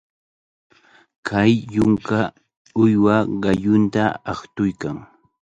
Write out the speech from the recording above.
Kay yunka uywa qallunta aqtuykan.